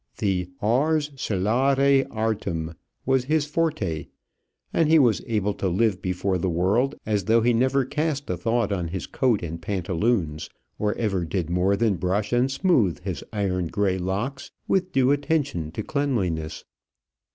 The "ars celare artem" was his forte; and he was able to live before the world as though he never cast a thought on his coat and pantaloons, or ever did more than brush and smooth his iron gray locks with due attention to cleanliness.